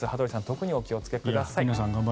特にお気をつけください。